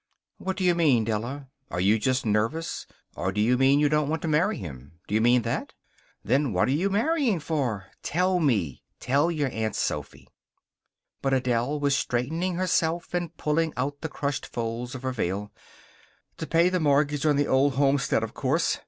"What do you mean, Della? Are you just nervous or do you mean you don't want to marry him? Do you mean that? Then what are you marrying for? Tell me! Tell your Aunt Sophy." But Adele was straightening herself and pulling out the crushed folds of her veil. "To pay the mortgage on the old homestead, of course.